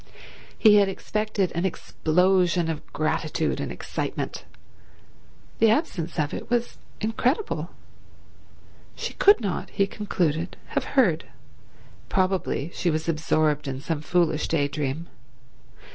He had expected an explosion of gratitude and excitement. The absence of it was incredible. She could not, he concluded, have heard. Probably she was absorbed in some foolish day dream.